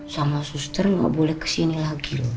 sama suster gak boleh kesini lagi loh